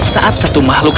saat satu makhluk